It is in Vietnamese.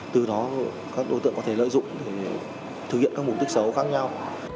từ đó các đối tượng có thể lợi dụng để thực hiện các mục đích xấu khác nhau